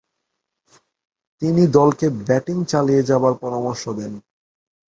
তিনি দলকে ব্যাটিং চালিয়ে যাবার পরামর্শ দেন।